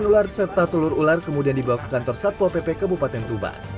ular serta telur ular kemudian dibawa ke kantor satpol pp kabupaten tuban